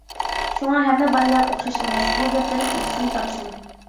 شۇڭا ھەممە بايلار ئوخشاش ئەمەس، بۇ گەپلىرىم ئىگىسىنى تاپسۇن!